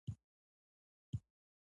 نوی ژوند نوي هېلې